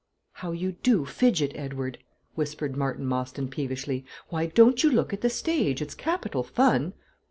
"How you do fidget, Edward!" whispered Martin Mostyn peevishly; "why don't you look at the stage? It's capital fun."